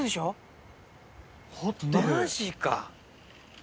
マジか。